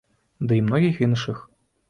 Ды і многіх іншых.